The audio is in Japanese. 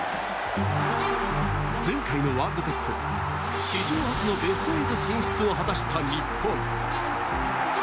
前回のワールドカップ、史上初のベスト８進出を果たした日本。